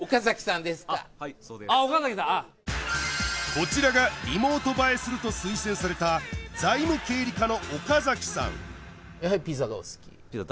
こちらがリモート映えすると推薦された財務経理課の岡崎さん